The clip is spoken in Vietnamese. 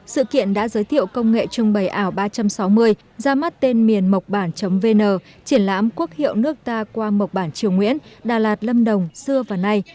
sự kiện đã giới thiệu công nghệ trưng bày ảo ba trăm sáu mươi ra mắt tên miền mộc bản vn triển lãm quốc hiệu nước ta qua mộc bản triều nguyễn đà lạt lâm đồng xưa và nay